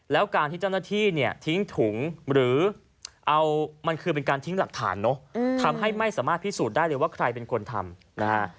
แล้วการที่เจ้าหน้าที่เนี่ยทิ้งถุงหรือเอามันคือเป็นการทิ้งหลักฐานเนอะทำให้ไม่สามารถพิสูจน์ได้เลยว่าใครเป็นคนทำนะฮะ